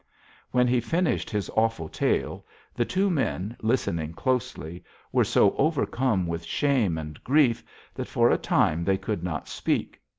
"When he finished his awful tale the two men, listening closely, were so overcome with shame and grief that for a time they could not speak.